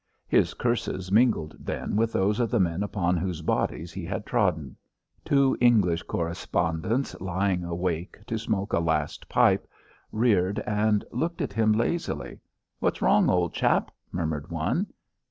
His curses mingled then with those of the men upon whose bodies he had trodden. Two English correspondents, lying awake to smoke a last pipe, reared and looked at him lazily. "What's wrong, old chap?" murmured one.